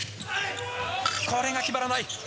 これが決まらない。